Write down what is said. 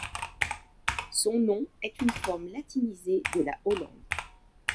Son nom est une forme latinisée de la Hollande.